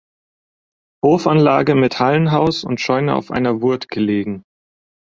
Hofanlage mit Hallenhaus und Scheune auf einer Wurt gelegen.